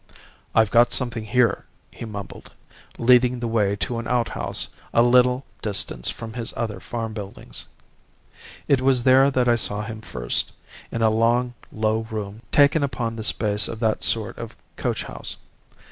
"'I've got something here,' he mumbled, leading the way to an outhouse at a little distance from his other farm buildings. "It was there that I saw him first, in a long low room taken upon the space of that sort of coach house.